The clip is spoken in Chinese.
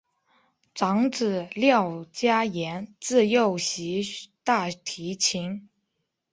长子廖嘉言自幼习大提琴。